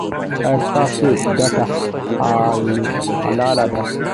ایا ستاسو ګټه حلاله ده؟